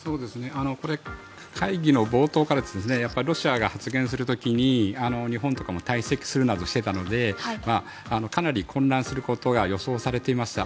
これ、会議の冒頭からロシアが発言する時に日本とかも退席するなどしていたのでかなり混乱することが予想されていました。